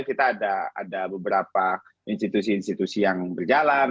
kita ada beberapa institusi institusi yang berjalan